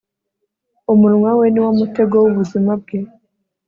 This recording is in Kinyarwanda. umunwa we ni wo mutego w'ubuzima bwe